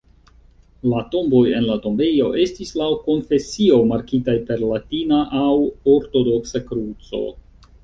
La tomboj en la tombejo estis laŭ konfesio markitaj per latina aŭ ortodoksa kruco.